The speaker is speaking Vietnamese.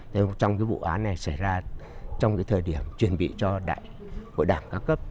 trong cái vụ án này xảy ra trong cái thời điểm truyền bị cho đại hội đảng ca cấp